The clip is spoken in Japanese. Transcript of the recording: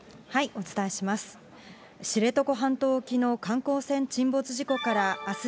お伝えします。